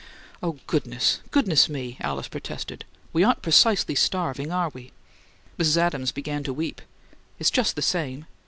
"Oh, goodness, goodness me!" Alice protested. "We aren't precisely 'starving,' are we?" Mrs. Adams began to weep. "It's just the same.